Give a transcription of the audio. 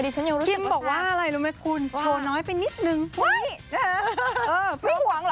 คิมบอกว่าอะไรรู้ไหมคุณโชว์น้อยไปนิดหนึ่งอุ๊ยเออพวกไม่ห่วงเหรอ